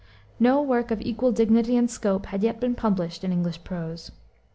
No work of equal dignity and scope had yet been published in English prose.